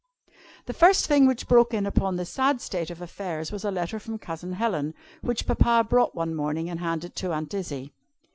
The first thing which broke in upon this sad state of affairs, was a letter from Cousin Helen, which Papa brought one morning and handed to Aunt Izzie.